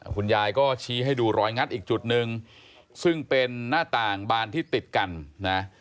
คุณยายก็ชี้ให้ดูรอยงัดอีกจุดหนึ่งซึ่งเป็นหน้าต่างบานที่ติดกันนะ